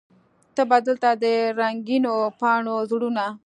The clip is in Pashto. ته به دلته د رنګینو پاڼو زړونه